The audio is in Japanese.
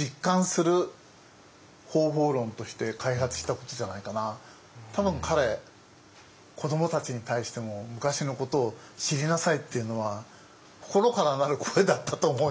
これはやっぱり多分彼子どもたちに対しても昔のことを知りなさいっていうのは心からなる声だったと思いますよ。